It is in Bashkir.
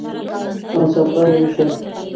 Ансарга йәбешә.